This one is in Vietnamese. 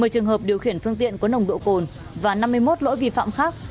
một mươi trường hợp điều khiển phương tiện có nồng độ cồn và năm mươi một lỗi vi phạm khác